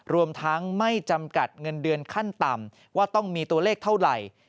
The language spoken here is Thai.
รวมทั้งไม่จำกัดเงินเดือนขั้นต่ำว่าต้องมีตัวเลขเท่าไหร่